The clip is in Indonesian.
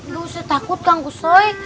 lu usah takut tangguh soi